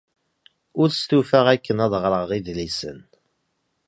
Ur stufaɣ akken ad ɣreɣ idlisen.